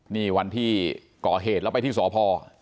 นี่วันที่ก่อเหตุแล้วไปที่สพ